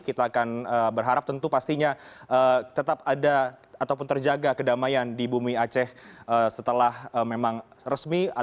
kita akan berharap tentu pastinya tetap ada ataupun terjaga kedamaian di bumi aceh setelah memang resmi